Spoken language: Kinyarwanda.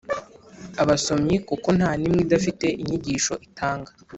abasomyi, kuko nta n’imwe idafite inyigisho itanga